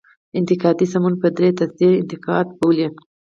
انتقادي سمون په دري تصحیح انتقادي بولي.